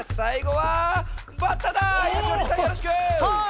はい！